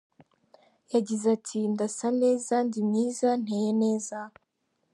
Yagize ati “Ndasa neza, ndi mwiza, nteye neza.